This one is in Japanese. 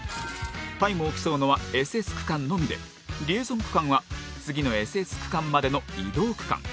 タイムを競うのはＳＳ区間のみでリエゾン区間は次のＳＳ区間までの移動区間。